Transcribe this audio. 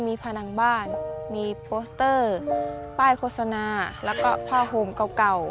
มีผนังบ้านมีโปสเตอร์ป้ายโฆษณาแล้วก็ผ้าโฮมเก่า